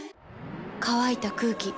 乾いた空気。